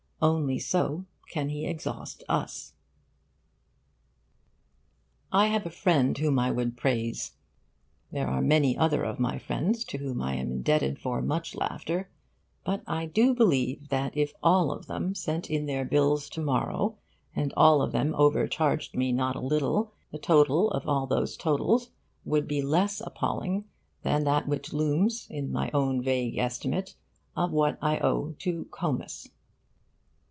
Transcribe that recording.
Only so can he exhaust us. I have a friend whom I would praise. There are many other of my friends to whom I am indebted for much laughter; but I do believe that if all of them sent in their bills to morrow and all of them overcharged me not a little, the total of all those totals would be less appalling than that which looms in my own vague estimate of what I owe to Comus.